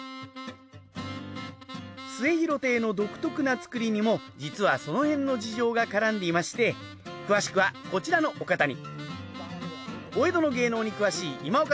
『末廣亭』の独特な造りにも実はそのへんの事情が絡んでいまして詳しくはこちらのお方に。